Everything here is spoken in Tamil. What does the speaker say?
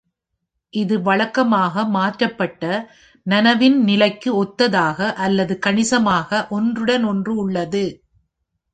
இது வழக்கமாக மாற்றப்பட்ட, நனவின் நிலைக்கு ஒத்ததாக, அல்லது கணிசமாக ஒன்றுடன் ஒன்று உள்ளது.